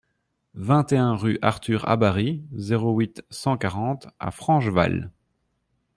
vingt et un rue Arthur Habary, zéro huit, cent quarante à Francheval